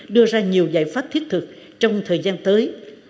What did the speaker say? đưa ra nhiều giải pháp thiết thực trong thời gian tới